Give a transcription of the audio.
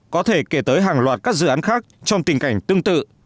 có thể kể tới hàng loạt các dự án khác trong tình cảnh tương tự